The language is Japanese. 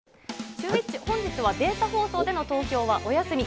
シューＷｈｉｃｈ、本日はデータ放送での投票はお休み。